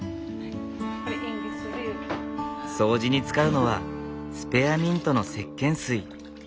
掃除に使うのはスペアミントのせっけん水。